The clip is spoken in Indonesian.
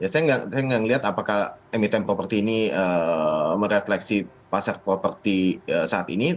saya melihat apakah emiten properti ini merefleksi pasar properti saat ini